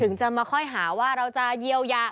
ถึงจะมาค่อยหาว่าเราจะเยียวยา